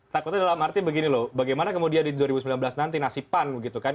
takutnya dalam arti begini loh bagaimana kemudian di dua ribu sembilan belas nanti nasib pan gitu kan